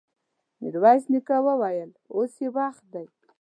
ميرويس نيکه وويل: اوس يې وخت دی!